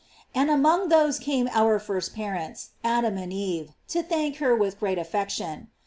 And among those came our first parents, Adam and Eve, to thank her with greater affection.